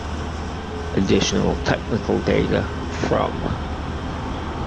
"Additional technical data from"